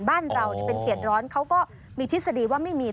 บ้านเราเป็นเขตร้อนเขาก็มีทฤษฎีว่าไม่มี